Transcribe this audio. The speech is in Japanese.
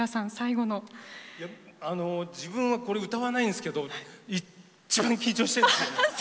あの自分はこれ歌わないんですけどいっちばん緊張してるんです。